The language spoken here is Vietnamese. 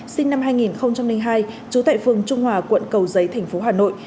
sinh năm hai nghìn hai chú tại phường trung hòa tp hà nội